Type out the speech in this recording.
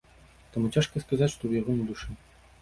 Таму цяжка сказаць, што ў яго на душы.